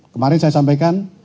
kemarin saya sampaikan